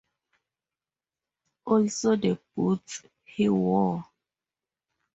Also the boots he wore.